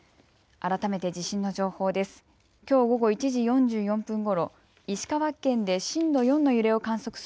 改めて地震の情報です。